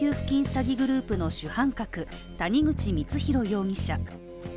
詐欺グループの主犯格谷口光弘容疑者。